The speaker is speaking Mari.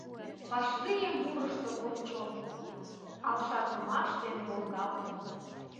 Вашлие мурышто кок чон, Ал шарнымаш дене волгалтын.